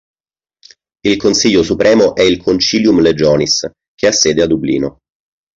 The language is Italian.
Il Consiglio Supremo è il "Concilium Legionis", che ha sede a Dublino.